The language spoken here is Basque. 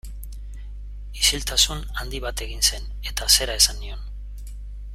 Isiltasun handi bat egin zen eta zera esan nion.